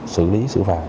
xử lý sự phạt